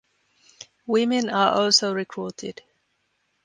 Women are also recruited.